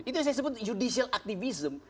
itu yang disebut judicial activism